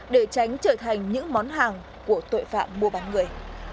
để tránh trở thành những món hàng của tội phạm mua bán người